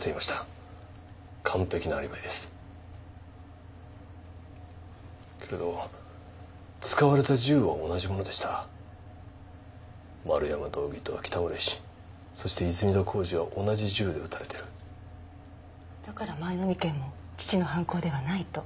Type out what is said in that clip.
完璧なアリバイですけれど使われた銃は同じものでした丸山道議と北村医師そして泉田浩二は同じ銃で撃たれてるだから前の２件も父の犯行ではないと？